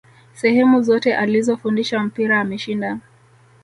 sehemu zote alizofundisha mpira ameshinda